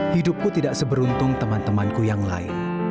hidupku tidak seberuntung teman temanku yang lain